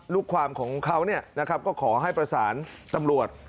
ลูกความของเขาเนี่ยนะครับก็ขอให้ประสานตำรวจ